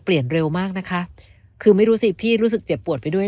เร็วมากนะคะคือไม่รู้สิพี่รู้สึกเจ็บปวดไปด้วย